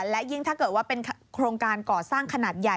และยิ่งถ้าเกิดว่าเป็นโครงการก่อสร้างขนาดใหญ่